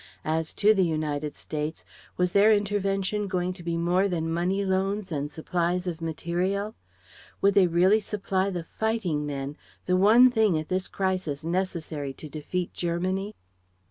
As to the United States: was their intervention going to be more than money loans and supplies of material? Would they really supply the fighting men, the one thing at this crisis necessary to defeat Germany?